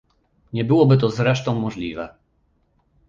Nie byłoby to zresztą możliwe